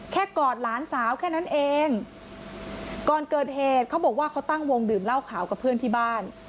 กอดหลานสาวแค่นั้นเองก่อนเกิดเหตุเขาบอกว่าเขาตั้งวงดื่มเหล้าขาวกับเพื่อนที่บ้าน